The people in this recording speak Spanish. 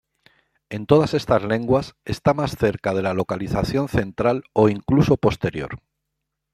En todas estas lenguas, está más cerca de la localización central, o incluso posterior.